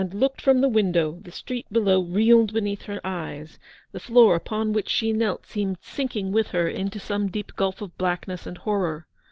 119 looked from the window, the street below reeled beneath her eves, the floor upon which she knelt seemed sinking with her into some deep gulf of blackness and horror.